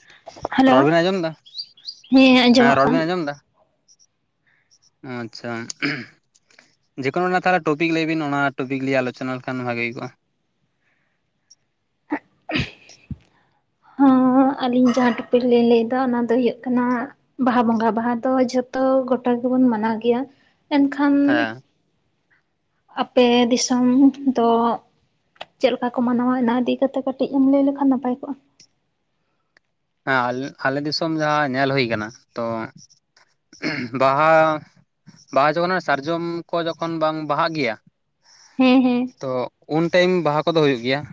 [inaudible] ᱨᱚᱲ ᱦᱮᱞᱳ ᱵᱮᱱ ᱟᱸᱡᱚᱢ ᱮᱫᱟ? [inaudible] ᱦᱮᱸ ᱟᱸᱡᱚᱢᱚᱜ ᱨᱚᱲ ᱵᱮᱱ ᱠᱟᱱᱟ ᱟᱸᱡᱚᱢ ᱮᱫᱟ? ᱟᱪᱪᱷᱟ ᱾ ᱡᱮᱠᱳᱱᱳ [unintelligible] ᱴᱚᱯᱤᱠ ᱞᱟᱹᱭ ᱵᱤᱱ ᱚᱱᱟ ᱴᱚᱯᱤᱠ ᱞᱤᱭᱟᱹ ᱟᱞᱳᱪᱚᱱᱟ ᱞᱮᱠᱷᱟᱱ ᱵᱷᱟᱜᱮ ᱦᱩᱭ ᱠᱚᱜ-ᱟ ᱾ [inaudible] ᱦᱚᱸ ᱟᱹᱞᱤᱧ ᱡᱟᱦᱟᱸ ᱴᱩᱯᱤᱠ ᱞᱤᱧ ᱞᱟᱹᱭ ᱮᱫᱟ ᱚᱱᱟ ᱫᱚ ᱦᱩᱭᱩᱜ ᱠᱟᱱᱟ ᱵᱟᱦᱟ ᱵᱚᱸᱜᱟ ᱾ ᱵᱟᱦᱟ ᱫᱚ ᱡᱷᱚᱛᱚ ᱜᱚᱴᱟ ᱜᱮᱵᱚᱱ ᱢᱟᱱᱟᱣ ᱜᱮᱭᱟ, ᱮᱱᱠᱷᱟᱱ ᱦᱮᱸ ᱟᱯᱮᱻ ᱫᱤᱥᱚᱢ ᱫᱚ ᱪᱮᱫ ᱞᱮᱠᱟ ᱠᱚ ᱢᱟᱱᱟᱣᱟ ᱚᱱᱟ ᱤᱫᱤ ᱠᱟᱛᱮᱜ ᱠᱟᱹᱴᱤᱡ ᱮᱢ ᱞᱟᱹᱭ ᱞᱮᱠᱷᱟᱱ ᱱᱟᱯᱟᱭ ᱠᱚᱜ-ᱟ ᱾ ᱦᱮᱸ ᱟᱞ ᱟᱞᱮ ᱫᱤᱥᱚᱢ ᱡᱟᱦᱟᱸ ᱧᱮᱞ ᱦᱩᱭ ᱟᱠᱟᱱᱟ, ᱛᱚ [inaudible] ᱵᱟᱦᱟ ᱵᱟᱦᱟ ᱡᱚᱠᱷᱚᱱ ᱥᱟᱨᱡᱚᱢ ᱠᱚ ᱡᱚᱠᱷᱚᱱ ᱵᱟᱝ ᱵᱟᱦᱟᱜ ᱜᱮᱭᱟ ᱦᱮᱸ ᱦᱮᱸ ᱾ ᱛᱚ ᱩᱱ ᱴᱟᱭᱤᱢ ᱵᱟᱦᱟ ᱠᱚᱫᱚ ᱦᱩᱭᱩᱜ ᱜᱮᱭᱟ ᱾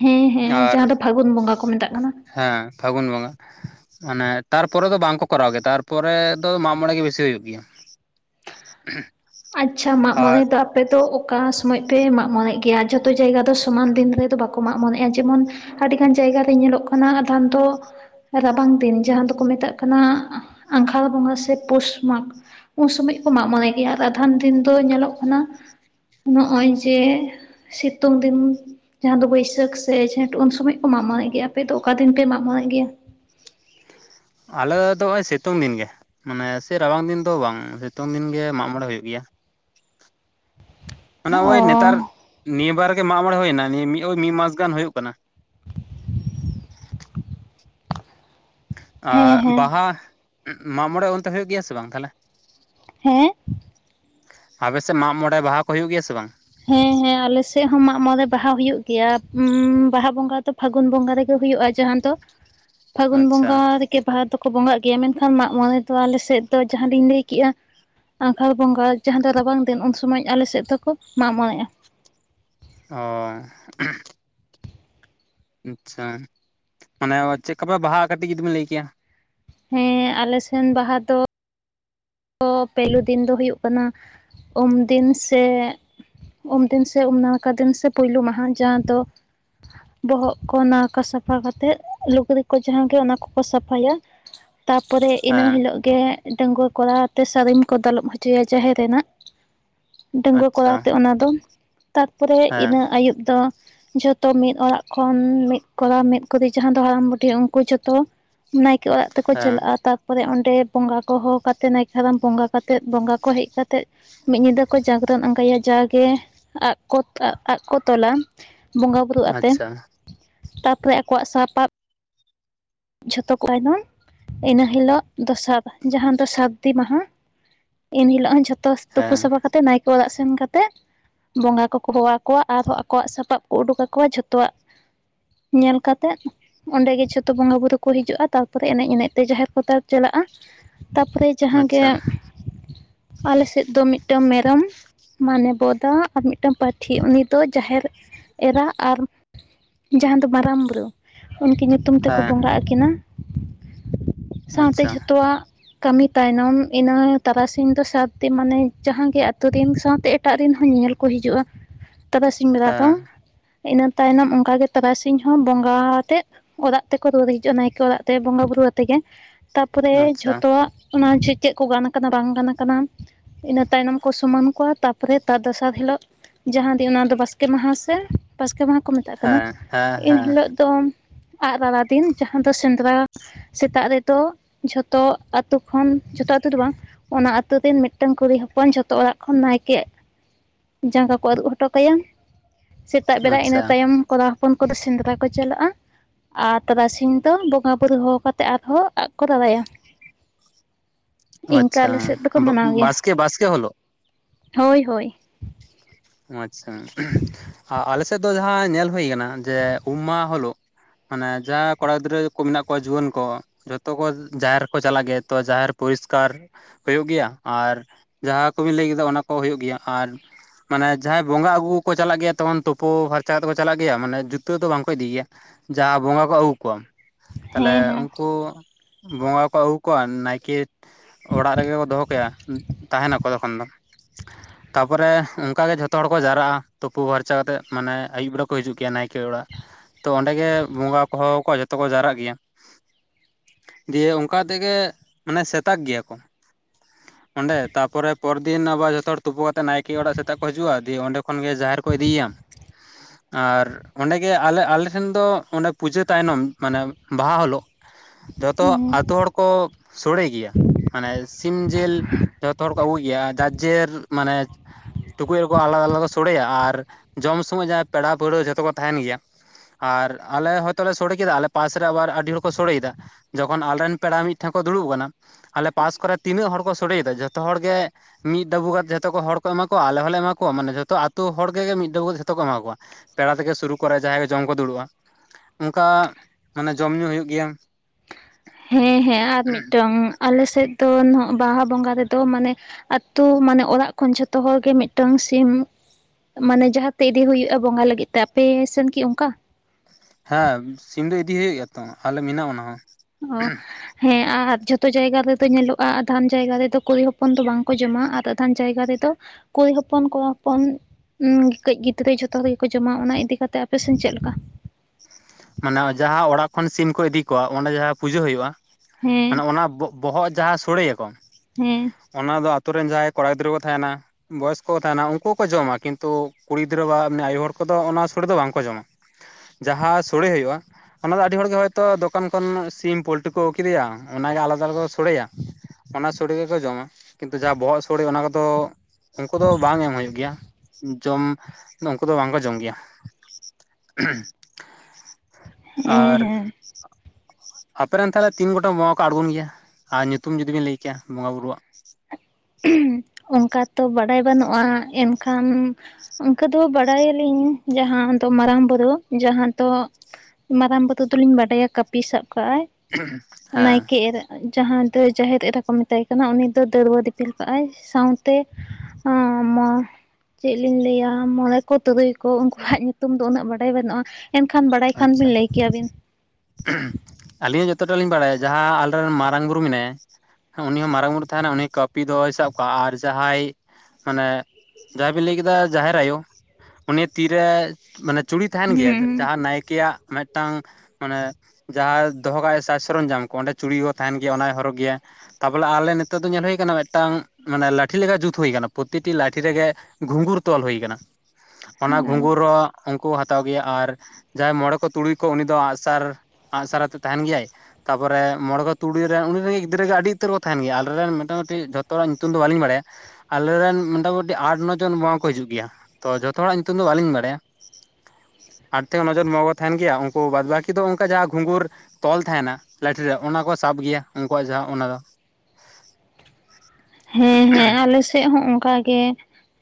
ᱦᱮᱸ ᱦᱮᱸ, ᱡᱟᱦᱟᱸ ᱫᱚ ᱯᱷᱟᱹᱜᱩᱱ ᱵᱚᱸᱜᱟ ᱠᱚ ᱢᱮᱛᱟᱜ ᱠᱟᱱᱟ ᱦᱮᱸ ᱯᱷᱟᱹᱜᱩᱱ ᱵᱚᱸᱜᱟ ᱾ ᱢᱟᱱᱮ ᱛᱟᱨᱯᱚᱨᱮ ᱫᱚ ᱵᱟᱝ ᱠᱚ ᱠᱚᱨᱟᱣ ᱜᱮᱭᱟ ᱾ ᱛᱟᱨᱯᱚᱨᱮ ᱫᱚ ᱢᱟᱜ ᱢᱚᱬᱮ ᱜᱮ ᱵᱮᱥᱤ ᱦᱩᱭᱩᱜ ᱜᱮᱭᱟ ᱾ [inaudible] ᱟᱪᱪᱷᱟ ᱢᱟᱜ ᱟᱨ ᱢᱚᱬᱮ ᱫᱚ ᱟᱯ ᱟᱯᱮ ᱫᱚ ᱚᱠᱟ ᱥᱚᱢᱚᱭ ᱯᱮ ᱢᱟᱜ ᱢᱚᱬᱮᱜ ᱜᱮᱭᱟ? ᱡᱷᱚᱛᱚ ᱡᱟᱭᱜᱟ ᱫᱚ ᱥᱚᱢᱟᱱ ᱫᱤᱱ ᱨᱮᱫᱚ ᱵᱟᱠᱚ ᱢᱟᱜ ᱢᱚᱬᱮᱜ-ᱟ, ᱡᱮᱢᱚᱱ ᱟᱹᱰᱤ ᱜᱟᱱ ᱡᱟᱭᱜᱟ ᱨᱮ ᱧᱮᱞᱚᱜ ᱠᱟᱱᱟ ᱟᱫᱷᱟᱱ ᱫᱚ ᱨᱟᱵᱟᱝ ᱫᱤᱱ, ᱡᱟᱦᱟᱸ ᱫᱚᱠᱚ ᱢᱮᱛᱟᱜ ᱠᱟᱱᱟ ᱟᱸᱜᱷᱟᱲ ᱵᱚᱸᱜᱟ ᱥᱮ ᱯᱩᱥ ᱢᱟᱜᱽ ᱩᱱ ᱥᱚᱢᱚᱭ ᱠᱚ ᱢᱟᱜ ᱢᱚᱬᱮ ᱜᱮᱭᱟ ᱟᱨ ᱟᱫᱷᱟᱱ ᱫᱤᱱ ᱫᱚ ᱧᱮᱞᱚᱜ ᱠᱟᱱᱟ ᱱᱚᱜ-ᱚᱭ ᱡᱮ ᱥᱤᱛᱩᱝ ᱫᱤᱱ ᱡᱟᱦᱟᱸ ᱫᱚ ᱵᱟᱹᱭᱥᱟᱹᱠᱷ ᱥᱮ ᱡᱷᱮᱴ ᱩᱱ ᱥᱚᱢᱚᱭ ᱠᱚ ᱢᱟᱜ ᱢᱚᱬᱮ ᱜᱮᱭᱟ ᱾ ᱟᱯᱮ ᱫᱚ ᱚᱠᱟ ᱫᱤᱱ ᱯᱮ ᱢᱟᱜ ᱢᱚᱬᱮ ᱜᱮᱭᱟ? ᱟᱞᱮ ᱫᱚ ᱦᱚᱜ-ᱚᱭ ᱥᱤᱛᱩᱝ ᱫᱤᱱ ᱜᱮ, ᱢᱟᱱᱮ ᱥᱮ ᱨᱟᱵᱟᱝ ᱫᱤᱱ ᱫᱚ ᱵᱟᱝ ᱥᱤᱛᱩᱝ ᱫᱤᱱ ᱜᱮ ᱢᱟᱜ ᱢᱚᱬᱮ ᱦᱩᱭᱩᱜ ᱜᱮᱭᱟ ᱾ ᱚᱱᱟ ᱳᱭ ᱱᱮᱛᱟᱨ ᱚ ᱱᱤᱭᱟᱹ ᱵᱟᱨ ᱜᱮ ᱢᱟᱜ ᱢᱚᱬᱮ ᱦᱩᱭ ᱮᱱᱟ, ᱱᱤᱭᱟᱹ ᱢᱤᱫ ᱳᱭ ᱢᱤᱫ ᱢᱟᱥ ᱜᱟᱱ ᱦᱩᱭᱩᱜ ᱠᱟᱱᱟ ᱾ ᱦᱮᱸ ᱟᱨ ᱦᱮᱸ ᱵᱟᱦᱟ ᱢᱟᱜ ᱢᱚᱬᱮ ᱚᱱᱛᱮ ᱦᱩᱭᱩᱜ ᱜᱮᱭᱟ ᱥᱮ ᱵᱟᱝ ᱛᱟᱦᱚᱞᱮ? [inaudible] ᱦᱮᱸ? ᱟᱯᱮ ᱥᱮᱫ ᱢᱟᱜ ᱢᱚᱬᱮ ᱵᱟᱦᱟ ᱠᱚ ᱦᱩᱭᱩᱜ ᱜᱮᱭᱟ ᱥᱮ ᱵᱟᱝ? ᱦᱮᱸ ᱦᱮᱸ ᱟᱞᱮ ᱥᱮᱫ ᱦᱚᱸ ᱢᱟᱜ ᱢᱚᱬᱮ ᱵᱟᱦᱟ ᱦᱩᱭᱩᱜ ᱜᱮᱭᱟ ᱾ ᱵᱟᱦᱟ ᱵᱚᱸᱜᱟ ᱛᱚ ᱯᱷᱟᱹᱜᱩᱱ ᱵᱚᱸᱜᱟ ᱨᱮ ᱦᱩᱭᱩᱜ-ᱟ ᱡᱟᱦᱟᱸ ᱫᱚ- [inaudible] ᱯᱷᱟᱹᱜᱩᱱ ᱟᱪᱪᱷᱟ ᱵᱚᱸᱜᱟ ᱨᱮᱜᱮ ᱵᱟᱦᱟ ᱫᱚᱠᱚ ᱵᱚᱸᱜᱟᱜ ᱜᱮᱭᱟ ᱢᱮᱱᱠᱷᱟᱱ ᱢᱟᱜ ᱢᱚᱬᱮ ᱫᱚ ᱟᱞᱮ ᱥᱮᱫ ᱫᱚ ᱡᱟᱦᱟᱸᱞᱤᱧ ᱞᱟᱹᱭ ᱠᱮᱜ-ᱟ ᱟᱸᱜᱷᱟᱬ ᱵᱚᱸᱜᱟ ᱡᱟᱦᱟᱸ ᱫᱚ ᱨᱟᱵᱟᱝ ᱫᱤᱱ ᱩᱱ ᱥᱚᱢᱚᱭ ᱟᱞᱮ ᱥᱮᱫ ᱫᱚᱠᱚ ᱢᱟᱜ ᱢᱚᱬᱮᱜ-ᱟ᱾ ᱦᱚᱭ᱾ ᱟᱪᱪᱷᱟ, ᱢᱟᱱᱮ ᱪᱮᱫᱠᱟ ᱯᱮ ᱵᱟᱦᱟᱜ-ᱟ ᱠᱟᱹᱴᱤᱡ ᱡᱩᱫᱤ ᱵᱤᱱ ᱞᱟᱹᱭ ᱠᱮᱭᱟ᱾ ᱦᱮᱸ ᱟᱞᱮ ᱥᱮᱱ ᱵᱟᱦᱟ ᱫᱚ ᱛᱚ ᱯᱮᱭᱞᱩ ᱫᱤᱱ ᱫᱚ ᱦᱩᱭᱩᱜ ᱠᱟᱱᱟ, ᱩᱢ ᱫᱤᱱ ᱥᱮ ᱩᱢ ᱫᱤᱱ ᱥᱮ ᱩᱢ ᱱᱟᱲᱠᱟ ᱫᱤᱱ ᱥᱮ ᱯᱳᱭᱞᱳ ᱢᱟᱦᱟ ᱡᱟᱦᱟᱸ ᱫᱚ ᱵᱚᱦᱚᱜ ᱠᱚ ᱱᱟᱲᱠᱟ ᱥᱟᱯᱷᱟ ᱠᱟᱛᱮᱜ ᱞᱩᱜᱽᱲᱤ ᱠᱚ ᱡᱟᱦᱟᱸ ᱜᱮ ᱚᱱᱟ ᱠᱚᱠᱚ ᱥᱟᱯᱷᱟᱭᱟ, [inaudible] ᱛᱟᱯᱚᱨᱮ ᱤᱱᱟᱹ ᱦᱮᱸ ᱦᱤᱞᱚᱜ ᱜᱮ ᱰᱟᱺᱜᱩᱣᱟᱹ ᱠᱚᱲᱟ ᱛᱮ ᱥᱟᱨᱤᱢ ᱠᱚ ᱫᱟᱞᱚᱵ ᱦᱚᱪᱚᱭᱟ ᱡᱟᱦᱮᱨ ᱨᱮᱱᱟᱜ, ᱰᱟᱹᱜᱩᱭᱟ ᱠᱚᱲᱟ ᱟᱪᱪᱷᱟ ᱟᱛᱮᱜ ᱚᱱᱟ ᱫᱚ᱾ ᱛᱟᱨᱯᱚᱨᱮ ᱦᱮᱸ ᱤᱱᱟᱹ ᱟᱭᱩᱵ ᱫᱚ ᱡᱷᱚᱛᱚ ᱢᱤᱫ ᱚᱲᱟᱜ ᱠᱷᱚᱱ ᱢᱤᱫ ᱠᱚᱲᱟ ᱢᱤᱫ ᱠᱩᱲᱤ ᱡᱟᱦᱟᱸ ᱫᱚ ᱦᱟᱲᱟᱢ ᱵᱩᱰᱷᱤ ᱩᱝᱠᱩ ᱡᱷᱚᱛᱚ ᱱᱟᱭᱠᱮ ᱚᱲᱟᱜ ᱛᱮᱠᱚ ᱦᱮᱸ ᱪᱟᱞᱟᱜ-ᱟ ᱛᱟᱨᱯᱚᱨᱮ ᱚᱸᱰᱮ ᱵᱚᱸᱜᱟ ᱠᱚ ᱦᱚᱦᱚ ᱠᱟᱛᱮ ᱱᱟᱭ [unintelligible] ᱵᱚᱸᱜᱟ ᱠᱟᱛᱮᱫ ᱵᱚᱸᱜᱟ ᱠᱚ ᱦᱮᱡ ᱠᱟᱛᱮᱜ ᱢᱤᱫ ᱧᱤᱫᱟᱹ ᱠᱚ ᱡᱟᱸᱜᱽᱨᱚᱱ ᱟᱸᱜᱟᱭᱟ ᱡᱟᱜᱮ, ᱟᱜ ᱠᱚ ᱟᱜ ᱠᱚ ᱛᱚᱞᱟ, ᱵᱚᱸᱜᱟ ᱵᱩᱨᱩ ᱟᱛᱮ, ᱟᱪᱪᱷᱟ ᱛᱟᱯᱚᱨᱮ ᱟᱠᱚᱣᱟᱜ ᱥᱟᱯᱟᱵ ᱡᱷᱚᱛᱚ [inaudible] ᱛᱟᱭᱱᱚᱢ, ᱤᱱᱟᱹ ᱦᱤᱞᱳᱜ ᱫᱚᱥᱟᱨ ᱡᱟᱦᱟᱸ ᱫᱚ ᱥᱟᱨᱫᱤ ᱢᱟᱦᱟ, ᱮᱱ ᱦᱤᱞᱳᱜ ᱦᱚᱸ ᱡᱷᱚᱛᱚ ᱛᱳᱯᱩ ᱦᱮᱸ ᱥᱟᱯᱷᱟ ᱠᱟᱛᱮᱜ ᱱᱟᱭᱠᱮ ᱚᱲᱟᱜ ᱥᱮᱱ ᱠᱟᱛᱮᱜ, ᱵᱚᱸᱜᱟ ᱠᱚ-ᱠᱚ ᱦᱚᱣᱟ ᱠᱚᱣᱟ ᱟᱨᱦᱚᱸ ᱟᱠᱚᱣᱟᱜ ᱥᱟᱯᱟᱵ ᱠᱚ ᱩᱰᱩᱠ ᱟᱠᱚᱣᱟ ᱡᱷᱚᱛᱚᱣᱟᱜ ᱧᱮᱞ ᱠᱟᱛᱮᱜ, ᱚᱸᱰᱮ ᱜᱮ ᱡᱷᱚ ᱛᱚ ᱵᱚᱸᱜᱟ ᱵᱩᱨᱩ ᱠᱚ ᱦᱤᱡᱩᱜ-ᱟ ᱛᱟᱨᱯᱚᱨᱮ ᱮᱱᱮᱡ ᱮᱱᱮᱡ ᱛᱮ ᱡᱟᱦᱮᱨ ᱠᱚ ᱪᱟᱞᱟᱜ-ᱟ, ᱛᱟᱯᱚᱨᱮ ᱡᱟᱦᱟᱸ ᱜᱮ, ᱟᱪᱪᱷᱟ ᱟᱞᱮ ᱥᱮᱫ ᱫᱚ ᱢᱤᱫᱴᱟᱝ ᱢᱮᱨᱚᱢ, ᱢᱟᱱᱮ ᱵᱚᱫᱟ ᱟᱨ ᱢᱤᱫᱴᱟᱝ ᱯᱟᱹᱴᱷᱤ ᱩᱱᱤ ᱫᱚ ᱡᱟᱦᱮᱨ ᱮᱨᱟ ᱟᱨ ᱡᱟᱦᱟᱸ ᱫᱚ ᱢᱟᱨᱟᱝ ᱵᱩᱨᱩ ᱩᱱᱠᱤᱱ ᱧᱩ ᱛᱩᱢ ᱛᱮᱠᱚ ᱦᱮᱸ ᱵᱚᱸᱜᱟ ᱟᱠᱤᱱᱟ, ᱥᱟᱶᱛᱮ ᱟᱪᱪᱷᱟ ᱡᱷᱚᱛᱚᱣᱟᱜ ᱠᱟᱹᱢᱤ ᱛᱟᱭᱱᱚᱢ ᱤᱱᱟᱹ ᱛᱟᱨᱟᱥᱤᱧ ᱫᱚ ᱥᱟᱶᱛᱮ ᱢᱟᱱᱮ ᱡᱟᱦᱟᱸ ᱜᱮ ᱟᱛᱳ ᱨᱤᱱ ᱥᱟᱶᱛᱮ ᱮᱴᱟᱜ ᱨᱤᱱ ᱦᱚᱸ ᱧᱮᱞ ᱠᱚ ᱦᱤᱡᱩᱜ-ᱟ᱾ ᱛᱟᱨᱟᱥᱤᱧ ᱵᱮᱲᱟ ᱫᱚ᱾ ᱦᱮᱸ ᱤᱱᱟᱹ ᱛᱟᱭᱱᱚᱢ ᱚᱝᱠᱟ ᱜᱮ ᱛᱟᱨᱟᱥᱤᱧ ᱦᱚᱸ ᱵᱚᱸᱜᱟ ᱟᱛᱮᱫ ᱚᱲᱟᱜ ᱛᱮᱠᱚ ᱨᱩᱣᱟᱹᱲ ᱦᱤᱡᱩᱜ-ᱟ ᱱᱟᱭᱠᱮ ᱚᱲᱟᱜ ᱛᱮ ᱵᱚᱸᱜᱟ ᱵᱩᱨᱩ ᱟᱛᱮ ᱜᱮ, ᱛᱟᱯᱚᱨᱮ ᱟᱪᱪᱷᱟ ᱡᱷᱚᱛᱚᱣᱟᱜᱼ- ᱚᱱᱟ ᱡᱮ ᱪᱮᱫ ᱠᱚ ᱜᱟᱱ ᱟᱠᱟᱱᱟ ᱵᱟᱝ ᱜᱟᱱ ᱟᱠᱟᱱᱟ, ᱤᱱᱟᱹ ᱛᱟᱭᱱᱚᱢ ᱠᱚ ᱥᱩᱢᱟᱱ ᱠᱚᱣᱟ ᱛᱟᱯᱚᱨᱮ ᱛᱟᱨ ᱫᱚᱥᱟᱨ ᱦᱤᱞᱳᱜ ᱡᱟᱦᱟᱸ ᱫᱤᱱ ᱚᱱᱟ ᱫᱚ ᱵᱟᱥᱠᱮ ᱢᱟᱦᱟ ᱥᱮ ᱵᱟᱥᱠᱮ ᱢᱟᱦᱟ ᱠᱚ ᱢᱮᱛᱟᱜ ᱠᱟᱱᱟ ᱦᱮᱸ ᱦᱮᱸ ᱮᱱ ᱦᱮᱸ ᱦᱤᱞᱳᱜ ᱫᱚ ᱟᱜ ᱨᱟᱨᱟ ᱫᱤᱱ ᱡᱟᱦᱟᱸ ᱫᱚ ᱥᱮᱸᱫᱽᱨᱟ, ᱥᱮᱛᱟᱜ ᱨᱮᱫᱚ ᱡᱷᱚᱛᱚ ᱟᱛᱩ ᱠᱷᱚᱱ, ᱡᱷᱚᱛᱚ ᱟᱛᱳ ᱫᱚ ᱵᱟᱝ ᱚᱱᱟ ᱟ ᱛᱩ ᱨᱤᱱ ᱢᱤᱫᱴᱟᱝ ᱠᱩᱲᱤ ᱦᱚᱯᱚᱱ ᱡᱷᱚᱛᱚ ᱚᱲᱟᱜ ᱠᱷᱚᱱ ᱱᱟᱭᱠᱮ, ᱡᱟᱸᱜᱟ ᱠᱚ ᱟᱹᱨᱩᱜ ᱦᱚᱴᱚ ᱠᱟᱭᱟ᱾ ᱥᱮᱛᱟᱜ ᱵᱮᱲᱟ ᱤᱱᱟᱹ ᱟᱪᱪᱷᱟ ᱛᱟᱭᱱᱚᱢ ᱠᱚᱲᱟ ᱦᱚᱯᱚᱱ ᱠᱚᱫᱚ ᱥᱮᱸᱫᱽᱨᱟ ᱠᱚ ᱪᱟᱞᱟᱜ-ᱟ᱾ ᱟᱨ ᱛᱟᱨᱟᱥᱤᱧ ᱫᱚ ᱵᱚᱸᱜᱟ ᱵᱩᱨᱩ ᱦᱚᱦᱚ ᱠᱟᱛᱮᱫ ᱟᱨᱦᱚᱸ ᱟᱜ ᱠᱚ ᱨᱟᱨᱟᱭᱟ᱾ ᱚ ᱟᱪᱪᱷᱟ, ᱟᱞᱮ ᱥᱮᱫ ᱫᱚᱠᱚ ᱢᱟᱱᱟᱣ ᱜᱮᱭᱟ ᱵᱟᱥᱠᱮ ᱵᱟᱥᱠᱮ ᱦᱳᱞᱳᱜ ᱦᱳᱭ ᱦᱳᱭ᱾ ᱚ ᱟᱪᱪᱷᱟ, ᱟᱞᱮ ᱥᱮᱫ ᱫᱚ ᱡᱟᱦᱟᱸ ᱧᱮᱞ ᱦᱩᱭ ᱠᱟᱱᱟ ᱡᱮ ᱩᱢ ᱢᱟᱦᱟ ᱦᱳᱞᱳᱜ ᱢᱟᱱᱮ ᱡᱟᱦᱟᱸᱭ ᱠᱚᱲᱟ ᱜᱤᱫᱽᱨᱟᱹ ᱠᱚ ᱢᱮᱱᱟᱜ ᱠᱚᱣᱟ ᱡᱩᱣᱟᱹᱱ ᱠᱚ ᱡᱚᱛᱚ ᱠᱚ ᱡᱟᱦᱮᱨ ᱠᱚ ᱪᱟᱞᱟᱜ ᱜᱮᱭᱟ ᱛᱚ ᱡᱟᱦᱮᱨ ᱯᱚᱨᱤᱥᱠᱟᱨ ᱦᱳᱭᱳᱜ ᱜᱮᱭᱟ ᱟᱨ ᱡᱟᱦᱟᱸ ᱠᱚᱵᱤᱱ ᱞᱟᱹᱭ ᱠᱮᱫᱟ ᱚᱱᱟ ᱠᱚ ᱦᱳᱭᱳᱜ ᱜᱮᱭᱟ ᱟᱨ ᱢᱟᱱᱮ ᱡᱟᱦᱟᱸᱭ ᱵᱚᱸᱜᱟ ᱟᱹᱜᱩ ᱠᱚ ᱪᱟᱞᱟᱜ ᱜᱮᱭᱟ ᱛᱚᱠᱷᱚᱱ ᱛᱩᱯᱩ ᱯᱷᱟᱨᱪᱟ ᱠᱟᱛᱮ ᱠᱚ ᱪᱟᱞᱟᱜ ᱜᱮᱭᱟ ᱢᱟᱱᱮ ᱡᱩᱛᱟᱹ ᱫᱚ ᱵᱟᱝᱠᱚ ᱤᱫᱤ ᱜᱮᱭᱟ᱾ ᱡᱟᱦᱟᱸ ᱵᱚᱸᱜᱟ ᱠᱚ ᱟᱹᱜᱩ ᱠᱚᱣᱟ᱾ ᱛᱟᱦᱮᱞᱮ ᱦᱮᱸ ᱦᱮᱸ ᱩᱱᱠᱩ ᱵᱚᱸᱜᱟ ᱠᱚ ᱟᱹᱜᱩ ᱠᱚᱣᱟ ᱱᱟᱭᱠᱮ ᱚᱲᱟᱜ ᱨᱮᱜᱮ ᱠᱚ ᱫᱚᱦᱚ ᱠᱟᱭᱟ ᱛᱟᱦᱮᱱᱟᱠᱚ ᱛᱚᱠᱷᱚᱱ ᱫᱚ ᱛᱟᱯᱚᱨᱮ ᱚᱱᱠᱟᱜ ᱜᱮ ᱡᱷᱚᱛᱚ ᱦᱚᱲ ᱠᱚ ᱡᱟᱣᱨᱟᱜᱼᱟ ᱛᱩᱯᱩ ᱯᱷᱟᱨᱪᱟ ᱠᱟᱛᱮᱫ ᱢᱟᱱᱮ ᱟᱹᱭᱩᱵ ᱵᱮᱲᱟ ᱠᱚ ᱦᱤᱡᱩᱜ ᱜᱮᱭᱟ ᱱᱟᱭᱠᱮ ᱚᱲᱟᱜ᱾ ᱛᱚ ᱚᱸᱰᱮ ᱜᱮ ᱵᱚᱸᱜᱟ ᱠᱚ ᱦᱚᱦᱚᱣ ᱠᱚᱣᱟ ᱡᱚᱛᱚ ᱠᱚ ᱡᱟᱣᱨᱟᱜ ᱜᱮᱭᱟ᱾ ᱫᱤᱭᱮ ᱚᱱᱠᱟ ᱛᱮᱜᱮ ᱢᱟᱱᱮ ᱥᱮᱛᱟᱜ ᱜᱮᱭᱟ ᱠᱚ᱾ ᱚᱸᱰᱮ ᱛᱟᱯᱚᱨᱮ ᱯᱚᱨ ᱫᱤᱱ ᱟᱵᱟᱨ ᱡᱚᱛᱚ ᱦᱚᱲ ᱛᱩᱯᱩ ᱠᱟᱛᱮᱜ ᱱᱟᱭᱠᱮ ᱚᱲᱟᱜ ᱥᱮᱛᱟᱜ ᱠᱚ ᱦᱤᱡᱩᱜᱼᱟ ᱫᱤᱭᱮ ᱚᱸᱰᱮ ᱠᱷᱚᱱᱜ ᱜᱮ ᱡᱟᱦᱮᱨ ᱠᱚ ᱤᱫᱤᱭᱟ᱾ ᱟᱨ ᱚᱸᱰᱮ ᱜᱮ ᱟᱞᱮ ᱟᱞᱮᱴᱷᱮᱱ ᱫᱚ ᱚᱸᱰᱮ ᱯᱩᱡᱟᱹ ᱛᱟᱭᱱᱚᱢ ᱢᱟᱱᱮ ᱵᱟᱦᱟ ᱦᱤᱞᱳᱜ᱾ ᱡᱚᱛᱚ ᱟᱛᱳ ᱦᱚᱲ ᱠᱚ ᱥᱳᱲᱮ ᱜᱮᱭᱟ᱾ ᱢᱟᱱᱮ ᱥᱤᱢ ᱡᱤᱞ ᱡᱚᱛᱚ ᱦᱚᱲ ᱠᱚ ᱟᱹᱜᱩᱭ ᱜᱮᱭᱟ ᱡᱟᱨᱡᱮᱨ ᱢᱟᱱᱮ᱾ ᱴᱩᱠᱩᱡ ᱨᱮᱠᱚ ᱟᱞᱟᱫᱟ ᱟᱞᱟᱫᱟ ᱥᱚᱲᱮᱭᱟ ᱟᱨ ᱡᱚᱢ ᱥᱚᱢᱚᱭ ᱡᱟᱦᱟᱸ ᱯᱮᱲᱟ ᱯᱟᱹᱲᱦᱟᱹ ᱡᱷᱚᱛᱚ ᱠᱚ ᱛᱟᱦᱮᱱ ᱜᱮᱭᱟ᱾ ᱟᱨ ᱟᱞᱮ ᱦᱚᱭᱛᱚ ᱞᱮ ᱥᱚᱲᱮ ᱠᱮᱫᱟ ᱟᱞᱮ ᱯᱟᱥ ᱨᱮ ᱟᱵᱟᱨ ᱟᱹᱰᱤ ᱦᱚᱲ ᱠᱚ ᱥᱳᱚᱲᱮᱭᱮᱫᱟ᱾ ᱡᱚᱠᱷᱚᱱ ᱟᱞᱨᱮᱱ ᱯᱮᱲᱟ ᱢᱤᱫ ᱴᱷᱮᱱ ᱠᱚ ᱫᱩᱲᱩᱵ ᱟᱠᱟᱱᱟ ᱟᱞᱮ ᱯᱟᱥ ᱠᱚᱨᱮ ᱛᱤᱱᱟᱹᱜ ᱦᱚᱲ ᱠᱚ ᱥᱚᱲᱮᱫᱟ ᱡᱷᱚᱛᱚ ᱦᱚᱲ ᱜᱮ ᱢᱤᱫ ᱰᱟᱵᱩ ᱠᱟᱛᱮ ᱡᱷᱚᱛᱚ ᱠᱚ ᱦᱚᱲ ᱠᱚ ᱮᱢᱟ ᱠᱚᱣᱟ ᱟᱞᱮ ᱦᱚᱸᱞᱮ ᱮᱢᱟ ᱠᱚᱣᱟ ᱢᱟᱱᱮ ᱡᱷᱚᱛᱚ ᱟᱹᱛᱩ ᱦᱚᱲᱜᱮ ᱢᱤᱫ ᱰᱟᱹᱵᱩ ᱠᱟᱛᱮᱜ ᱡᱷᱚᱛᱚ ᱠᱚ ᱮᱢᱟ ᱠᱚᱣᱟ᱾ ᱯᱮᱲᱟ ᱛᱷᱮᱠᱮ ᱥᱩᱨᱩ ᱠᱚᱨᱮ ᱡᱟᱦᱟᱸᱭ ᱜᱮ ᱡᱚᱢ ᱠᱚ ᱫᱩᱲᱩᱵᱼᱟ᱾ ᱚᱱᱠᱟ ᱢᱟᱱᱮ ᱡᱚᱢ ᱧᱩ ᱦᱩᱭᱩᱜ ᱜᱮᱭᱟ᱾ ᱦᱮᱸ ᱦᱮᱸ ᱟᱨ ᱢᱤᱫᱴᱟᱝ ᱟᱞᱮᱥᱮᱫ ᱫᱚ ᱵᱟᱦᱟ ᱵᱚᱸᱜᱟ ᱨᱮᱫᱚ ᱢᱟᱱᱮ ᱟᱛᱳ ᱢᱟᱱᱮ ᱚᱲᱟᱜ ᱠᱷᱚᱱ ᱡᱷᱚᱛᱚ ᱦᱚᱲᱜᱮ ᱢᱤᱫᱴᱟᱝ ᱥᱤᱢ ᱢᱟᱱᱮ ᱡᱟᱦᱟᱸᱛᱮ ᱤᱫᱤ ᱦᱩᱭᱩᱜᱭᱼᱟ ᱵᱚᱸᱜᱟ ᱞᱟᱹᱜᱤᱫ ᱛᱮ ᱟᱯᱮ ᱥᱮᱱ ᱠᱤ ᱚᱱᱠᱟ? ᱦᱮᱸ ᱥᱤᱢ ᱫᱚ ᱤᱫᱤ ᱦᱩᱭᱩᱜ ᱜᱮᱭᱟ ᱛᱚ ᱟᱞᱮ ᱢᱮᱱᱟᱜ ᱚᱱᱟ ᱦᱚᱸ᱾ ᱚ ᱦᱮᱸ ᱟᱨ ᱡᱷᱚᱛᱚ ᱡᱟᱭᱜᱟ ᱨᱮᱫᱚ ᱧᱮᱞᱚᱜᱼᱟ ᱟᱫᱷᱟᱱ ᱡᱟᱭᱜᱟ ᱨᱮᱫᱚ ᱠᱩᱲᱤ ᱦᱚᱯᱚᱱ ᱫᱚ ᱵᱟᱝ ᱠᱚ ᱡᱚᱢᱟ ᱟᱨ ᱟᱫᱷᱟᱱ ᱡᱟᱭᱜᱟ ᱨᱮᱫᱚ ᱠᱩᱲᱤ ᱦᱚᱯᱚᱱ ᱠᱚᱲᱟ ᱦᱚᱯᱚᱱ ᱠᱟᱹᱡ ᱜᱤᱫᱽᱨᱟᱹ ᱡᱷᱚᱛᱚ ᱦᱚᱲ ᱜᱮᱠᱚ ᱡᱚᱢᱟ, ᱚᱱᱟ ᱤᱫᱤᱠᱟᱛᱮ ᱠᱟᱛᱮᱜ ᱟᱯᱮᱥᱮᱱ ᱪᱮᱫ ᱞᱮᱠᱟ? ᱢᱟᱱᱮ ᱡᱟᱦᱟᱸ ᱚᱲᱟᱜ ᱠᱷᱚᱱ ᱥᱤᱢᱠᱩ ᱤᱫᱤ ᱠᱚᱣᱟ ᱚᱸᱰᱮ ᱡᱟᱦᱟᱸ ᱯᱩᱡᱟᱹ ᱦᱩᱭᱩᱜᱼᱟ ᱦᱮᱸ ᱢᱟᱱᱮ ᱚᱱᱟ ᱵᱚᱦᱚᱜ ᱡᱟᱦᱟᱸ ᱥᱚᱲᱮᱭᱟᱠᱚ᱾ ᱦᱮᱸ ᱚᱱᱟ ᱫᱚ ᱟᱛᱩ ᱨᱮᱱ ᱡᱟᱦᱟᱸᱭ ᱠᱚᱲᱟ ᱜᱤᱫᱽᱨᱟᱹ ᱠᱚ ᱛᱟᱦᱮᱱᱟ᱾ ᱵᱚᱭᱮᱥ ᱠᱚ ᱛᱟᱦᱮᱱᱟ ᱩᱱᱠᱩ ᱠᱩ ᱡᱚᱢᱟ ᱠᱤᱱᱛᱩ ᱠᱩᱲᱤ ᱜᱤᱫᱽᱨᱟᱹ ᱵᱟ ᱟᱭᱩ ᱦᱚᱲ ᱠᱚᱫᱚ ᱚᱱᱟ ᱥᱩᱲᱟᱹ ᱫᱚ ᱵᱟᱝᱠᱚ ᱡᱚᱢᱟ᱾ ᱡᱟᱦᱟᱸ ᱥᱳᱲᱮ ᱦᱩᱭᱩᱜᱼᱟ ᱚᱱᱟ ᱫᱚ ᱟᱹᱰᱤ ᱦᱚᱲᱜᱮ ᱦᱚᱭᱛᱳ ᱫᱚᱠᱟᱱ ᱠᱷᱚᱱ ᱥᱤᱢ ᱯᱳᱞᱴᱤ ᱠᱚ ᱟᱹᱜᱩ ᱠᱮᱫᱮᱭᱟ ᱚᱱᱟᱜᱮ ᱟᱞᱟᱫᱟ-ᱟᱞᱟᱫᱟ ᱠᱚ ᱥᱳᱚᱲᱮᱭᱟ᱾ ᱚᱱᱟ ᱥᱚᱲᱮ ᱜᱮᱠᱚ ᱡᱚᱢᱟ ᱠᱤᱱᱛᱩ ᱡᱟᱦᱟᱸ ᱵᱚᱦᱚᱜ ᱥᱚᱲᱮ ᱚᱱᱟ ᱠᱚᱫᱚ ᱩᱱᱠᱩ ᱫᱚ ᱵᱟᱝ ᱮᱢ ᱦᱩᱭᱩᱜ ᱜᱮᱭᱟ᱾ ᱡᱚᱢ ᱩᱱᱠᱩ ᱫᱚ ᱵᱟᱝᱠᱚ ᱡᱚᱢ ᱜᱮᱭᱟ᱾ ᱦᱮᱸ ᱦᱮᱸ ᱟᱯᱮ ᱨᱮᱱ ᱛᱟᱦᱚᱞᱮ ᱛᱤᱱ ᱜᱚᱴᱟᱝ ᱵᱚᱸᱜᱟ ᱠᱚ ᱟᱬᱜᱚᱱ ᱜᱮᱭᱟ, ᱟᱨ ᱧᱩᱛᱩᱢ ᱡᱩᱫᱤ ᱵᱮᱱ ᱞᱟᱹᱭ ᱠᱮᱭᱟ ᱵᱚᱸᱜᱟ ᱵᱩᱨᱩᱣᱟᱜ? ᱚᱱᱠᱟ ᱛᱚ ᱵᱟᱰᱟᱭ ᱵᱟᱹᱱᱩᱜᱼᱟ ᱮᱱᱠᱷᱟᱱ ᱚᱱᱠᱟ ᱫᱚ ᱵᱟᱲᱟᱭᱟᱞᱤᱧ ᱡᱟᱦᱟᱸ ᱫᱚ ᱢᱟᱨᱟᱝ ᱵᱩᱨᱩ ᱡᱟᱦᱟᱸ ᱫᱚ ᱢᱟᱨᱟᱝ ᱵᱩᱨᱩ ᱫᱚᱞᱤᱧ ᱵᱟᱰᱟᱭᱟ ᱠᱟᱹᱯᱤ ᱥᱟᱵ ᱠᱟᱜᱼᱟᱭ᱾ ᱦᱮᱸ ᱱᱟᱭᱠᱮ ᱮᱨᱟᱹ ᱡᱟᱦᱟᱸᱭ ᱫᱚ ᱡᱟᱦᱮᱨ ᱮᱨᱟ ᱠᱚ ᱢᱮᱛᱟᱭ ᱠᱟᱱᱟ ᱩᱱᱤ ᱫᱚ ᱫᱟᱹᱲᱣᱟᱹ ᱫᱤᱯ ᱯᱤᱞ ᱠᱟᱜᱟᱭ ᱥᱟᱶᱛᱮ [unintelligible] ᱪᱮᱫ ᱞᱤᱧ ᱞᱟᱹᱭᱟ? ᱢᱚᱬᱮ ᱠᱚ ᱛᱩᱨᱩᱭ ᱠᱚ ᱩᱱᱠᱩᱣᱟᱜ ᱧᱩᱛᱩᱢ ᱫᱚ ᱩᱱᱟᱹᱜ ᱵᱟᱰᱟᱭ ᱵᱟᱹᱱᱩᱜᱼᱟ᱾ ᱮᱱᱠᱷᱟᱱ ᱵᱟᱲᱟᱭ ᱠᱷᱟᱱ ᱟᱪᱪᱷᱟ ᱵᱤᱱ ᱞᱟᱹᱭ ᱠᱮᱭᱟᱵᱤᱱ? ᱟᱹᱞᱤᱧ ᱦᱚᱸ ᱡᱚᱛᱚᱴᱟ ᱞᱤᱧ ᱵᱟᱲᱟᱭᱟ ᱡᱟᱦᱟᱸ ᱟᱞᱮ ᱨᱮᱱ ᱢᱟᱨᱟᱝ ᱵᱩᱨᱩ ᱢᱮᱱᱟᱭᱟ, ᱩᱱᱤ ᱦᱚᱸ ᱢᱟᱨᱟᱝ ᱵᱩᱨᱩ ᱛᱟᱦᱮᱱᱟ, ᱩᱱᱤ ᱠᱟᱹᱯᱤ ᱫᱚᱭ ᱥᱟᱵ ᱠᱚᱣᱟ, ᱟᱨ ᱡᱟᱦᱟᱸᱭ ᱢᱟᱱᱮ ᱡᱟᱦᱟᱸᱭ ᱵᱤᱱ ᱞᱟᱹᱭ ᱠᱮᱫᱟ ᱡᱟᱦᱮᱨ ᱟᱭᱳ ᱩᱱᱤ ᱛᱤᱨᱮ, ᱢᱟᱱᱮ ᱪᱩᱲᱤ ᱛᱟᱦᱮᱱ ᱜᱮᱭᱟ, ᱦᱩᱸ ᱡᱟᱦᱟᱸ ᱱᱟᱭᱠᱮᱭᱟᱜ ᱢᱤᱫᱴᱟᱝ ᱢᱟᱱᱮ ᱡᱟᱦᱟᱸᱟᱭ ᱫᱚᱦᱚ ᱠᱟᱜ ᱥᱮ ᱥᱚᱨᱚᱧᱡᱟᱢ ᱠᱚ ᱚᱸᱰᱮ ᱪᱩᱲᱤ ᱦᱚᱸ ᱛᱟᱦᱮᱱ ᱜᱮᱭᱟ ᱚᱱᱟᱭ ᱦᱚᱨᱚᱜᱽ ᱜᱮᱭᱟ᱾ ᱛᱟᱨᱯᱚᱞᱮ ᱟᱞᱮ ᱱᱮᱛᱚᱜ ᱫᱚ ᱧᱮᱞ ᱦᱩᱭ ᱠᱟᱱᱟ ᱢᱤᱫᱴᱟᱝ, ᱢᱟᱱᱮ ᱞᱟᱴᱷᱤ ᱞᱮᱠᱟ ᱡᱩᱛ ᱦᱩᱭ ᱠᱟᱱᱟ ᱯᱨᱚᱛᱤᱴᱤ ᱞᱟᱴᱷᱤ ᱨᱮᱜᱮ ᱜᱷᱩᱸᱜᱩᱨ ᱛᱚᱞ ᱦᱩᱭ ᱟᱠᱟᱱᱟ, ᱚᱱᱟ ᱦᱮᱸ ᱜᱷᱩᱸᱜᱩᱨ ᱦᱚᱸ ᱩᱱᱠᱩ ᱦᱟᱛᱟᱣ ᱜᱮᱭᱟ᱾ ᱟᱨ ᱡᱟᱦᱟᱸᱭ ᱢᱚᱬᱮ ᱠᱚ ᱛᱩᱨᱩᱭ ᱠᱚ ᱩᱱᱤ ᱫᱚ ᱟᱸᱜᱥᱟᱨ ᱟᱸᱜᱥᱟᱨ ᱟᱛᱮ ᱛᱟᱦᱮᱱ ᱜᱮᱭᱟᱭ᱾ ᱛᱟᱨᱯᱚᱨᱮ ᱢᱬᱮ ᱛᱩᱲᱤ ᱨᱮᱱ ᱩᱱᱤ ᱨᱮᱱᱜᱮ ᱜᱤᱫᱽᱨᱟᱹ ᱜᱮ ᱟᱹᱰᱤ ᱩᱛᱟᱹᱨ ᱠᱚ ᱛᱟᱦᱮᱱ ᱜᱮᱭᱟ, ᱟᱞᱮᱨᱮ ᱨᱮᱱ ᱢᱤᱫᱴᱟᱝ ᱢᱤᱫᱴᱤ ᱡᱷᱚᱛᱚ ᱦᱚᱲᱟᱜ ᱧᱩᱛᱩᱢ ᱫᱚ ᱵᱟᱟᱹᱞᱤᱧ ᱵᱟᱲᱟᱭᱟ᱾ ᱟᱞᱮᱨᱮᱱ ᱢᱚᱴᱟᱢᱩᱴᱤ ᱟᱴ ᱱᱚ ᱡᱚᱱ ᱵᱚᱝᱜᱟ ᱠᱚ ᱦᱤᱡᱩᱜ ᱜᱮᱭᱟ᱾ ᱛᱚ ᱡᱷᱚᱛᱚ ᱦᱚᱲᱟᱜ ᱧᱩᱛᱩᱢ ᱫᱚ ᱵᱟᱟᱹᱞᱤᱧ ᱵᱟᱲᱟᱭᱟ‌᱾ ᱱᱚᱡᱚᱨ ᱮᱢᱟᱠᱚ ᱛᱟᱦᱮᱱ ᱜᱮᱭᱟ, ᱩᱱᱠᱩ ᱵᱟᱫᱽ ᱵᱟᱹᱠᱤ ᱫᱚ ᱚᱱᱠᱟ ᱡᱟᱦᱟᱸ ᱜᱩᱝᱜᱩᱨ ᱛᱚᱞ ᱛᱟᱦᱮᱱᱟ ᱞᱟᱹᱴᱷᱤᱨᱮ ᱚᱱᱟᱠᱚ ᱥᱟᱵ ᱜᱮᱭᱟ, ᱩᱱᱠᱩᱣᱟᱜ ᱡᱟᱦᱟᱸ ᱚᱱᱟ ᱫᱚ᱾ [inaudible] ᱦᱮᱸ ᱦᱮᱸ, ᱟᱞᱮᱥᱮᱫ ᱦᱚᱸ ᱚᱱᱠᱟ ᱜᱮ᱾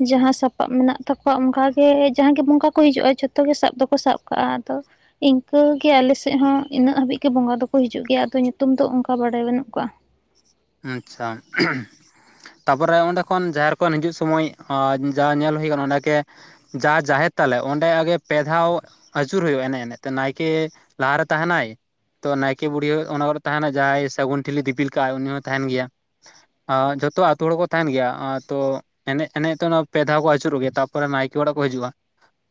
ᱡᱟᱦᱟᱸ ᱥᱟᱯᱟᱵ ᱢᱮᱱᱟᱜ ᱛᱟᱠᱚᱣᱟ, ᱚᱱᱠᱟᱜᱮ ᱡᱟᱦᱟᱸᱟᱜ ᱜᱮ ᱵᱚᱸᱜᱟ ᱠᱚ ᱦᱤᱡᱩᱜᱼᱟ, ᱡᱷᱚᱛᱚ ᱜᱮ ᱥᱟᱵ ᱫᱚᱠᱚ ᱥᱟᱵ ᱠᱟᱜᱼᱟ᱾ ᱟᱫᱚ ᱤᱱᱠᱟᱹᱜᱮ ᱟᱞᱮ ᱥᱮᱫ ᱦᱚᱸ ᱤᱱᱟᱹᱜ ᱦᱟᱹᱵᱤᱡ ᱜᱮ ᱵᱚᱸᱜᱟ ᱫᱚᱠᱚ ᱦᱤᱡᱩᱜ ᱜᱮᱭᱟ ᱟᱫᱚ ᱧᱩᱛᱩᱢ ᱫᱚ ᱚᱱᱠᱟ ᱵᱟᱲᱟᱭ ᱵᱟᱹᱱᱩᱜ ᱠᱚᱣᱟ᱾ ᱟᱪᱪᱷᱟ [unintelligible] ᱛᱟᱨᱯᱚᱨᱮ ᱚᱸᱰᱮ ᱠᱷᱚᱱ ᱡᱟᱸᱟᱦᱮᱨ ᱠᱷᱚᱱ ᱦᱤᱡᱩᱜ ᱥᱚᱢᱚᱭ, ᱡᱟ ᱧᱮᱞ ᱦᱩᱭ ᱠᱟᱱᱟ ᱚᱸᱰᱮᱜᱮ ᱡᱟ ᱡᱟᱦᱮᱨ ᱛᱟᱞᱮ ᱚᱸᱰᱮ ᱟᱜᱮ ᱯᱮ ᱫᱷᱟᱣᱼᱼ ᱟᱹᱪᱩᱨ ᱦᱩᱭᱩᱜᱼᱟ ᱮᱱᱮᱡ ᱮᱱᱮᱡ ᱛᱮ, ᱱᱟᱭᱠᱮ ᱞᱟᱦᱟᱨᱮ ᱛᱟᱦᱮᱱᱟᱭ, ᱛᱚ ᱱᱟᱭᱠᱮ ᱵᱩᱲᱦᱤ ᱚᱱᱟ ᱠᱚᱨᱮᱜ ᱛᱟᱦᱮᱱᱟ ᱡᱟᱦᱟᱸᱭ ᱥᱟᱹᱜᱩᱱ ᱴᱷᱤᱞᱤ ᱫᱤᱯᱤᱞ ᱠᱟᱜ ᱟᱭ ᱩᱱᱤ ᱦᱚᱸ ᱛᱟᱦᱮᱱ ᱜᱮᱭᱟ᱾ ᱡᱷᱚᱛᱚ ᱟᱛᱩ ᱦᱚᱲ ᱠᱚ ᱛᱟᱦᱮᱱ ᱜᱮᱭᱟ, ᱟᱫᱚ ᱮᱱᱮᱡ ᱮᱱᱮᱡ ᱛᱮ ᱚᱱᱟ ᱯᱮ ᱫᱷᱟᱣ ᱠᱚ ᱟᱹᱪᱩᱨᱚᱜ ᱜᱮ, ᱛᱯᱚᱨᱮ ᱱᱟᱭᱠᱮ ᱚᱲᱟᱜ ᱠᱚ ᱦᱤᱡᱩᱜᱼᱟ᱾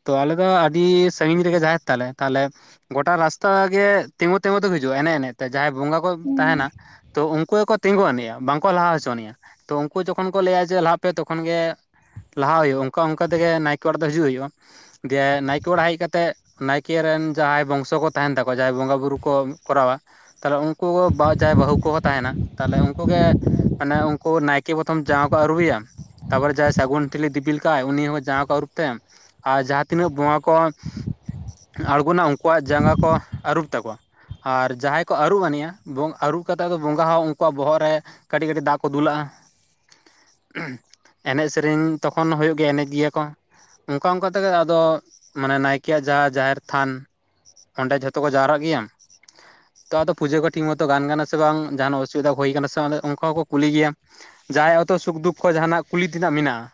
ᱛᱚ ᱟᱞᱮ ᱫᱚ ᱟᱹᱰᱤ ᱥᱟᱺᱜᱤᱧ ᱨᱮᱜᱮ ᱡᱟᱦᱮᱨ ᱛᱟᱞᱮ ᱛᱟᱦᱚᱞᱮᱼᱼ ᱜᱚᱴᱟ ᱨᱟᱥᱛᱟ ᱜᱮ ᱛᱤᱸᱜᱩ ᱛᱮᱤᱸᱜᱩ ᱛᱮ ᱦᱤᱡᱩᱜᱼᱟ ᱮᱱᱮᱡ ᱮᱱᱮᱡ ᱛᱮ ᱡᱟᱦᱟᱸᱭ ᱵᱚᱸᱜᱟ ᱠᱚ ᱛᱟᱦᱮᱱᱟ, ᱛᱚ ᱩᱱᱠᱩ ᱜᱮᱠ ᱛᱤᱸᱜᱩ ᱟᱹᱱᱤᱡᱼᱟ, ᱵᱟᱝᱠᱚ ᱞᱟᱦᱟ ᱦᱚᱪᱚᱱᱤᱡᱼᱟ, ᱛᱚ ᱩᱱᱠᱩ ᱡᱚᱠᱷᱚᱱ ᱠᱚ ᱞᱟᱹᱭᱟ ᱡᱮ ᱞᱟᱦᱟ ᱯᱮ ᱛᱚᱠᱷᱚᱱ ᱜᱮ ᱞᱟᱦᱟ ᱦᱩᱭᱩᱜᱼᱟ, ᱚᱱᱠᱟ ᱚᱱᱠᱟ ᱛᱮᱜᱮ ᱱᱟᱭᱠᱮ ᱚᱲᱟᱜ ᱫᱚ ᱦᱤᱡᱩᱜ ᱦᱩᱭᱩᱜᱼᱟ, ᱫᱤᱭᱮ ᱱᱟᱭᱠᱮ ᱚᱲᱟᱜ ᱦᱮᱡ ᱠᱟᱛᱮᱫᱼᱼ ᱱᱟᱭᱠᱮ ᱨᱮᱱ ᱡᱟᱦᱟᱸᱭ ᱵᱚᱝᱥᱚ ᱠᱚ ᱛᱟᱦᱮᱱ ᱛᱟᱠᱚᱣᱟ ᱡᱟᱦᱟᱸᱭ ᱵᱚᱸᱜᱟ ᱵᱩᱨᱩ ᱠᱚ ᱠᱚᱨᱟᱣᱟ, ᱛᱟᱦᱚᱞᱮ ᱩᱱᱠᱩ ᱵᱟ ᱡᱟᱦᱟᱸᱟᱭ ᱵᱟᱹᱦᱩ ᱠᱚᱦᱚᱸ ᱛᱟᱦᱮᱱᱟ, ᱛᱟᱦᱚᱞᱮ ᱩᱱᱠ ᱜᱮ ᱢᱟᱱᱮ ᱩᱱᱠᱩ ᱱᱟᱭᱠᱮ ᱯᱨᱚᱛᱷᱚᱢ ᱡᱟᱦᱟᱸᱭ ᱠᱚ ᱟᱹᱨᱩᱭᱟ, ᱛᱟᱨᱯᱚᱨᱮ ᱡᱟᱦᱟᱸᱭ ᱥᱟᱹᱜᱩᱱ ᱴᱷᱤᱞᱤ ᱫᱤᱯᱤᱞ ᱠᱟᱜᱟᱭ ᱩᱱᱤ ᱦᱚᱸ ᱡᱟᱜᱟ ᱠᱚ ᱟᱹᱨᱩᱵ ᱛᱟᱭᱟ᱾ ᱟᱨ ᱡᱟᱦᱟᱸ ᱛᱤᱱᱟᱹᱜ ᱵᱚᱸᱜᱟ ᱠᱚ ᱟᱬᱜᱳᱱᱟ ᱩᱱᱠᱩᱣᱟᱜ ᱡᱟᱸᱜᱟ ᱠᱚ ᱟᱹᱨᱩᱵ ᱛᱟᱠᱚᱣᱟ᱾ ᱟᱨ ᱡᱟᱦᱟᱸᱭ ᱠᱚ ᱟᱹᱨᱩᱵ ᱟᱱᱤᱡᱼᱟ, ᱟᱹᱨᱩᱵ ᱠᱟᱛᱮᱫ ᱫᱚ ᱵᱚᱸᱜᱟ ᱦᱚᱸᱼᱼ ᱟᱠᱚᱣᱟᱜ ᱵᱚᱦᱚᱜ ᱨᱮ ᱠᱟᱹᱴᱤᱡ ᱠᱟᱹᱴᱤᱡ ᱫᱟᱜ ᱠᱚ ᱫᱩᱞᱟᱜᱼᱟ᱾ [unintelligible] ᱮᱱᱮᱡ ᱥᱮᱨᱮᱧ ᱛᱚᱠᱷᱚᱱ ᱦᱩᱭᱩᱜ ᱜᱮᱭᱟ ᱮᱱᱮᱡ ᱜᱮᱭᱟ ᱠᱚ᱾ ᱚᱱᱠᱟ ᱚᱱᱠᱟ ᱛᱮᱜᱮ ᱟᱫᱚ ᱢᱟᱱᱮ ᱱᱟᱭᱠᱮᱭᱟᱜ ᱡᱟᱦᱟᱸ ᱡᱟᱦᱮᱨ ᱛᱷᱟᱱ, ᱚᱸᱰᱮ ᱡᱷᱚᱛᱚ ᱠᱚ ᱡᱟᱣᱨᱟᱜ ᱜᱮᱭᱟ, ᱛᱚ ᱟᱫᱚ ᱯᱩᱡᱟᱹ ᱠᱚ ᱴᱷᱤᱠ ᱢᱚᱛᱚ ᱜᱟᱱ ᱠᱟᱱᱟ ᱥᱮ ᱵᱟᱝ, ᱡᱟᱦᱱᱟᱜ ᱪᱤᱫᱟ ᱦᱩᱭᱭᱟ ᱠᱟᱱᱟ ᱥᱮ ᱚᱱᱠᱟ ᱦᱚᱸᱠᱚ ᱠᱩᱞᱤ ᱜᱮᱭᱟ, ᱡᱟᱦᱟᱸᱭ ᱚᱛᱚ ᱥᱩᱠᱼᱫᱩᱠ ᱠᱚ ᱡᱟᱦᱟᱱᱟᱜ ᱠᱩᱞᱤ ᱛᱮᱱᱟᱜ ᱢᱮᱱᱟᱜᱼᱟ᱾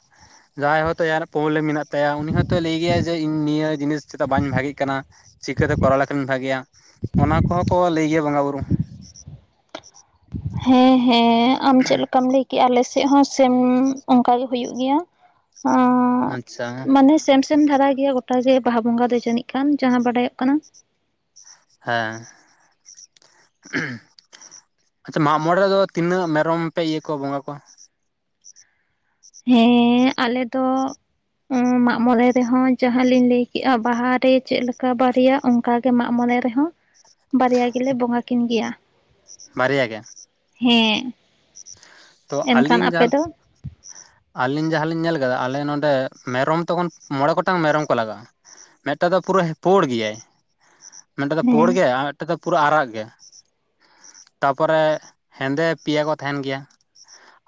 ᱡᱟᱦᱟᱸᱭ ᱦᱚᱛᱚ ᱟᱭᱟᱜ ᱯᱨᱚᱵᱞᱮᱢ ᱢᱮᱱᱟᱜ ᱛᱟᱭᱟ ᱩᱱᱤ ᱦᱚᱭᱛᱚ ᱞᱟᱹᱭ ᱜᱮᱟᱭ ᱡᱮ ᱤᱧ ᱱᱤᱭᱟᱹ ᱡᱤᱱᱤᱥ ᱪᱮᱫᱟᱜ ᱵᱟᱹᱧ ᱵᱷᱟᱜᱤ ᱠᱟᱱᱟ᱾ ᱪᱤᱠᱟᱹᱛᱮ ᱠᱚᱨᱟᱣ ᱞᱮᱠᱷᱟᱱᱟᱱ ᱵᱷᱟᱜᱭᱟ, ᱚᱱᱟ ᱠᱚᱦᱚᱸ ᱠᱚ ᱞᱟᱹᱭ ᱜᱮᱭᱟ ᱵᱚᱸᱜᱟ ᱵᱩᱨᱩ᱾ ᱦᱮᱸ ᱦᱮᱸ ᱟᱢ ᱪᱮᱫ ᱞᱮᱠᱟᱢ ᱞᱟᱹᱭᱠᱮᱜᱼᱟ ᱟᱞᱮᱥᱮᱫᱼᱼ ᱦᱚᱸ ᱥᱮ ᱚᱱᱠᱟ ᱜᱮ ᱦᱩᱭᱩᱜ ᱜᱮᱭᱟ ᱟᱪᱪᱷᱟ ᱢᱟᱱᱮ ᱥᱮᱢ ᱮᱢ ᱫᱷᱟᱨᱟᱭ ᱜᱮᱭᱟ ᱜᱚᱴᱟᱜ ᱜᱮ ᱵᱟᱦᱟ ᱵᱚᱸᱜᱟ ᱫᱚ ᱡᱟᱹᱱᱤᱡ ᱠᱟᱱ ᱡᱟᱦᱟᱸ ᱵᱟᱰᱟᱭᱚᱜ ᱠᱟᱱᱟ᱾ ᱦᱮᱸ, ᱟᱪᱪᱷᱟ ᱢᱟᱜ ᱢᱚᱬᱮ ᱨᱮᱫᱚ ᱛᱤᱱᱟᱹᱜ ᱢᱮᱨᱚᱢ ᱯᱮ ᱤᱭᱟᱹ ᱠᱚᱣᱟ ᱵᱚᱸᱜᱟ ᱠᱚᱣᱟ? ᱦᱮᱸᱻ ᱟᱞᱮ ᱫᱚ ᱢᱟᱜ ᱢᱚᱬᱮ ᱨᱮᱦᱚᱸ ᱡᱟᱦᱟᱸ ᱞᱤᱧ ᱞᱟᱹᱭ ᱠᱮᱜ-ᱟ ᱵᱟᱦᱟᱨᱮ ᱪᱮᱫᱮᱠᱟ ᱵᱟᱨᱭᱟ ᱚᱱᱠᱟ ᱜᱮ ᱢᱟᱜ ᱢᱚᱱᱮ ᱨᱮᱦᱚᱸ [unintelligible] ᱵᱟᱨᱭᱟ ᱜᱮᱞᱮ ᱵᱚᱸᱜᱟ ᱠᱤᱱ ᱜᱮᱭᱟ᱾ ᱵᱟᱨᱭᱟ ᱜᱮ? ᱦᱮᱸ᱾ ᱛᱚ ᱮᱱᱠᱷᱟᱱ ᱟᱹᱞᱤᱧ ᱟᱯᱮ ᱡᱟᱦᱟᱸ ᱫᱚ ᱟᱹᱞᱤᱧ ᱡᱟᱦᱟᱸᱞᱤᱧ ᱧᱮᱞ ᱠᱟᱫᱟ, ᱟᱞᱮ ᱱᱚᱸᱰᱮ ᱢᱮᱨᱚᱢ ᱛᱚᱠᱷᱚᱱ ᱢᱚᱬᱮ ᱜᱚᱴᱟᱝ ᱢᱮᱨᱚᱢ ᱠᱚ ᱞᱟᱜᱟᱜ-ᱟ᱾ ᱢᱮᱫᱴᱟᱝ ᱫᱚ ᱯᱩᱨᱟᱹ ᱯᱳᱲ ᱜᱮᱭᱟᱭ ᱢᱤᱫᱴᱟᱝ ᱫᱚ ᱯᱳᱲ ᱦᱮᱸ ᱜᱮᱭᱟᱭ ᱟᱨ ᱢᱤᱫᱴᱟᱝ ᱫᱚ ᱯᱩᱨᱟᱹ ᱟᱨᱟᱜ ᱜᱮ ᱛᱟᱯᱚᱨᱮ ᱦᱮᱸᱫᱮ ᱯᱮᱭᱟ ᱠᱚ ᱛᱟᱦᱮᱱ ᱜᱮᱭᱟ,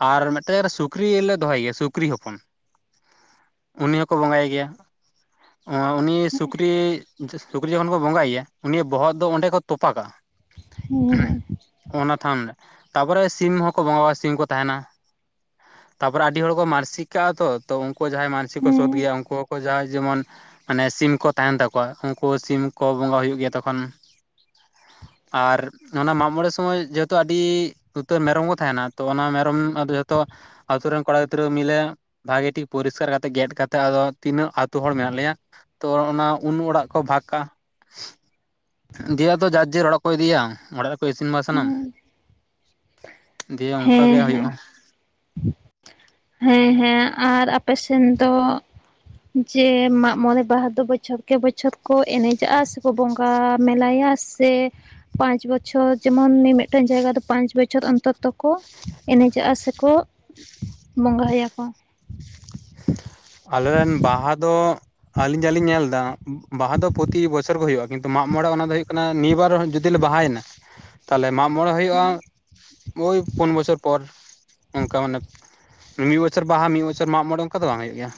ᱟᱨ ᱢᱤᱫᱴᱮᱱ ᱥᱩᱠᱨᱤᱞᱮ ᱫᱚᱦᱚᱭ ᱜᱮᱭᱟ ᱥᱩᱠᱨᱤ ᱦᱚᱯᱚᱱ᱾ ᱩᱱᱤ ᱦᱚᱸᱠᱚ ᱵᱚᱸᱜᱟᱭ ᱜᱮᱭᱟ, ᱩᱱᱤ ᱥᱩᱠᱨᱤ ᱥᱩᱠᱨᱤ ᱡᱚᱠᱷᱚᱱ ᱠᱚ ᱵᱚᱸᱜᱟᱭᱮᱭᱟ ᱩᱱᱤᱭᱟ ᱵᱚᱦᱚᱜ ᱫᱚ ᱚᱸᱰᱮ ᱠᱚ ᱛᱚᱯᱟᱠᱟᱜᱟ, ᱦᱮᱸ ᱚᱱᱟ ᱛᱷᱟᱱ ᱨᱮ ᱛᱟᱨᱯᱚᱨᱮ ᱥᱤᱢ ᱦᱚᱸᱠᱚ ᱵᱚᱸᱜᱟ-ᱟ ᱥᱤᱢ ᱠᱚ ᱛᱟᱦᱮᱱᱟ᱾ ᱛᱟᱨᱯᱚᱨᱮ ᱟᱹᱰᱤ ᱦᱚᱲ ᱠᱚ ᱢᱟᱹᱱᱥᱤ ᱠᱟᱜᱟ ᱛᱚ, ᱛᱚ ᱩᱱᱠᱩ ᱡᱟᱦᱟᱸᱭ ᱢᱟᱱᱥᱤ ᱠᱚ ᱥᱳᱫᱷ ᱦᱮᱸ ᱜᱮᱭᱟ ᱩᱱᱠᱩ ᱦᱚᱸᱠᱚ ᱡᱟᱦᱟᱸᱭ ᱡᱮᱢᱚᱱ ᱢᱟᱱᱮ ᱥᱤᱢ ᱠᱚ ᱛᱟᱦᱮᱱ ᱛᱟᱠᱚᱣᱟ ᱩᱱᱠᱩ ᱥᱤᱢ ᱠᱚ ᱵᱚᱸᱜᱟ ᱦᱩᱭᱩᱜ ᱜᱮᱭᱟ ᱛᱚᱠᱷᱚᱱ᱾ ᱟᱨ ᱚᱱᱟ ᱢᱟᱜ ᱢᱚᱬᱮ ᱥᱚᱢᱚᱭ ᱡᱮᱦᱮᱛᱩ ᱟᱹᱰᱤ ᱩᱛᱟᱹᱨ ᱢᱮᱨᱚᱢ ᱠᱚ ᱛᱟᱦᱮᱱᱟ᱾ ᱛᱚ ᱚᱱᱟ ᱢᱮᱨᱚᱢ ᱟᱫᱚ ᱡᱚᱛᱚ ᱟᱛᱳ ᱨᱮᱱ ᱠᱚᱲᱟ ᱜᱤᱫᱽᱨᱟᱹ ᱢᱤᱞᱮ ᱵᱷᱟᱜᱮ ᱴᱷᱤᱠ ᱯᱚᱨᱤᱥᱠᱟᱨ ᱠᱟᱛᱮᱫ ᱜᱮᱫ ᱠᱟᱛᱮᱫ ᱟᱫᱚ ᱛᱤᱱᱟᱹᱜ ᱟᱹᱛᱩ ᱦᱚᱲ ᱢᱮᱱᱟᱜ ᱞᱮᱭᱟ ᱛᱚ ᱚᱱᱟ ᱩᱱ ᱚᱲᱟᱜ ᱠᱚ ᱵᱷᱟᱜ-ᱟ ᱾ ᱫᱤᱭᱟ ᱟᱫᱚ ᱡᱟᱨ ᱡᱮᱨ ᱚᱲᱟᱜ ᱠᱚ ᱤᱫᱤᱭᱟ ᱚᱲᱟᱜ ᱨᱮᱠᱚ ᱤᱥᱤᱱ ᱦᱮᱸ ᱵᱟᱥᱟᱱᱟᱢ ᱦᱮᱸ ᱾ ᱦᱮᱸ ᱦᱮᱸ ᱦᱮᱸ ᱦᱮᱸ ᱟᱨ ᱟᱯᱮ ᱥᱮᱱ ᱫᱚ ᱡᱮ ᱢᱟᱜᱢᱚᱬᱮ ᱵᱟᱦᱟ ᱫᱚ ᱵᱚᱪᱷᱚᱨ ᱠᱮ ᱵᱚᱪᱷᱚᱨ ᱠᱚ ᱮᱱᱮᱡᱟᱜ-ᱟ ᱥᱮᱠᱚ ᱵᱚᱸᱜᱟ ᱢᱮᱞᱟᱭᱟ ᱥᱮ ᱯᱟᱸᱪ ᱵᱚᱪᱷᱚᱨ ᱡᱮᱢᱚᱱ ᱱᱤᱭᱟᱹ ᱢᱤᱫᱴᱮᱱ ᱡᱟᱭᱜᱟ ᱫᱚ ᱯᱟᱸᱪ ᱵᱚᱪᱷᱚᱨ ᱚᱱᱛᱚᱨ ᱚᱠᱛᱚ ᱠᱚ ᱮᱱᱮᱡ ᱡᱟᱟ ᱥᱮᱠᱚ ᱵᱚᱸᱜᱟᱭᱟ ᱠᱚ᱾ ᱟᱞᱮᱨᱮᱱ ᱵᱟᱦᱟ ᱫᱚ ᱟᱞᱤᱧ ᱡᱟᱞᱤᱧ ᱧᱮᱞ ᱮᱫᱟ ᱵᱟᱦᱟ ᱫᱚ ᱯᱨᱚᱛᱤ ᱵᱚᱪᱚᱨ ᱜᱮ ᱦᱳᱜ-ᱟ ᱠᱤᱱᱛᱩ ᱢᱟᱜ ᱢᱚᱬᱮ ᱚᱱᱟ ᱦᱳᱭᱳᱜ ᱠᱟᱱᱟ ᱱᱤᱭᱟᱹ ᱵᱟᱨ ᱡᱩᱫᱤᱮ ᱵᱟᱦᱟᱭᱮᱱᱟ ᱛᱟᱦᱚᱞᱮ ᱢᱟᱜ ᱢᱚᱬᱮ ᱦᱩᱭᱩᱜ-ᱟ᱾ ᱳᱭ ᱯᱩᱱ ᱵᱚᱪᱷᱚᱨ ᱯᱚᱨ ᱚᱱᱠᱟ ᱢᱟᱱᱮ ᱢᱤᱫ ᱵᱚᱪᱷᱚᱨ ᱵᱟᱦᱟ ᱢᱤᱫ ᱵᱚᱪᱷᱚᱨ ᱢᱟᱜ ᱢᱚᱬᱮ ᱚᱱᱠᱟ ᱫᱚ ᱵᱟᱝ ᱦᱩᱭᱩᱜ ᱜᱮᱭᱟ᱾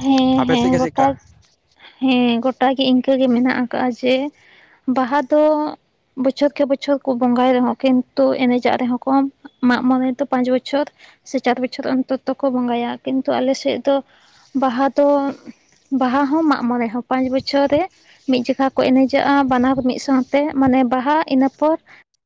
ᱦᱮᱸ ᱟᱯᱮ ᱦᱮᱸ ᱥᱮᱫ ᱜᱮ ᱜᱚᱴᱟ ᱪᱮᱫᱠᱟ? ᱦᱮᱸ ᱜᱚᱴᱟ ᱜᱮ ᱤᱱᱠᱟᱹᱜ ᱜᱮ ᱢᱮᱱᱟᱜ ᱠᱟᱜ-ᱟ ᱡᱮ ᱵᱟᱦᱟ ᱫᱚ ᱵᱚᱪᱷᱚᱨ ᱠᱮ ᱵᱚᱪᱷᱚᱨ ᱠᱚ ᱵᱚᱸᱜᱟᱭ ᱨᱮᱦᱚᱸ ᱠᱤᱱᱛᱩ ᱮᱱᱮᱡᱟᱜ ᱨᱮᱦᱚᱸ ᱠᱚ ᱢᱟᱜ ᱢᱚᱬᱮ ᱫᱚ ᱯᱟᱸᱪ ᱵᱚᱪᱷᱚᱨ ᱥᱮ ᱪᱟᱨ ᱵᱚᱪᱷᱚᱨ ᱚᱱᱛᱚᱨᱠᱚ ᱵᱚᱸᱜᱟᱭᱟ, ᱠᱤᱱᱛᱩ ᱟᱞᱮ ᱥᱮᱫ ᱫᱚ ᱵᱟᱦᱟ ᱫᱚ ᱵᱟᱦᱟ ᱦᱚᱸ ᱢᱟᱜ ᱢᱚᱬᱮ ᱦᱚᱸ ᱯᱟᱸᱪ ᱵᱚᱪᱷᱚᱨ ᱨᱮ ᱢᱤᱫ ᱡᱚᱠᱷᱟ ᱠᱚ ᱮᱱᱮᱡᱟᱜ-ᱟ ᱵᱟᱱᱟᱨ ᱢᱤᱫ ᱥᱟᱶᱛᱮ ᱢᱟᱱᱮ ᱵᱟᱦᱟ ᱤᱱᱟᱹᱯᱚᱨ